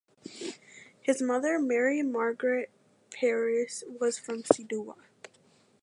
His mother Mary Margaret Peiris was from Seeduwa.